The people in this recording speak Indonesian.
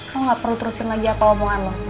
lo gak perlu terusin lagi apa omongan lo